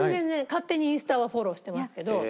勝手にインスタはフォローしてますけど。